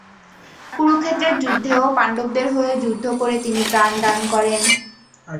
কুরুক্ষেত্রের যুদ্ধেও পাণ্ডবদের হয়ে যুদ্ধ করে তিনি প্রাণ দান করেন।